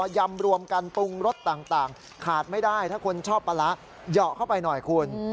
ยำรวมกันปรุงรสต่างขาดไม่ได้ถ้าคนชอบปลาร้าเหยาะเข้าไปหน่อยคุณ